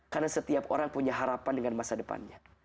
karena setiap orang punya harapan dengan masa depannya